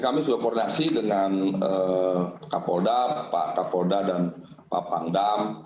kami sudah koordinasi dengan pak kappolda pak kappolda dan pak pangdam